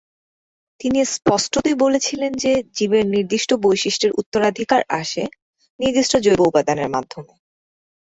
তিনি স্পষ্টতই বলেছিলেন যে জীবের নির্দিষ্ট বৈশিষ্ট্যের উত্তরাধিকার আসে নির্দিষ্ট জৈব উপাদানের মাধ্যমে।